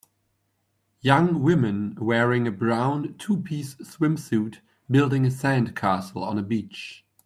Young women wearing a brown two piece swimsuit building a sand castle on a beach.